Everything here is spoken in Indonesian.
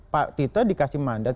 pak tito dikasih mandat